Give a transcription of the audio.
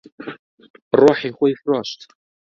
ڕۆحی خۆی فرۆشت.